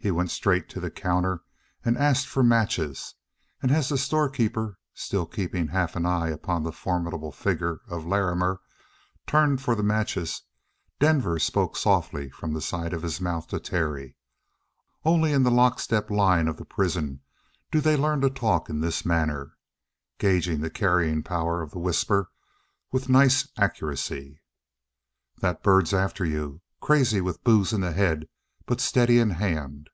He went straight to the counter and asked for matches, and as the storekeeper, still keeping half an eye upon the formidable figure of Larrimer, turned for the matches, Denver spoke softly from the side of his mouth to Terry only in the lockstep line of the prison do they learn to talk in this manner gauging the carrying power of the whisper with nice accuracy. "That bird's after you. Crazy with booze in the head, but steady in the hand.